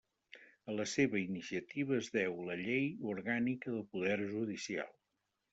A la seva iniciativa es deu la Llei Orgànica del Poder Judicial.